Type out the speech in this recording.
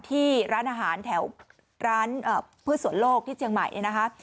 ที่ร้านอาหารแถวร้านพืชสวนโลกที่เชียงใหม่เนี่ยนะคะ